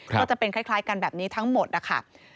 ก็จะเป็นคล้ายกันแบบนี้ทั้งหมดนะคะ